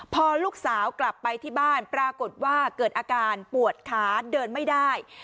พอลูกสาวกลับไปที่บ้านปรากฏว่าเกิดอาการปวดขาเดินไม่ได้